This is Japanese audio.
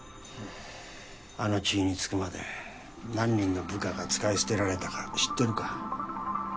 あの地位に就くまで何人の部下が使い捨てられたか知ってるか？